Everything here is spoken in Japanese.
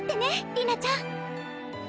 璃奈ちゃん